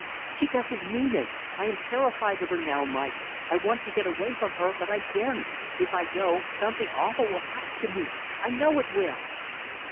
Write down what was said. "She doesn't mean it. I am terrified of her now, Mike; I want to get away from her, but I daren't. If I go, something awful will happen to me I know it will!"